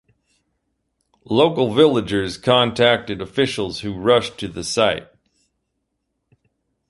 Local villagers contacted officials who rushed to the site.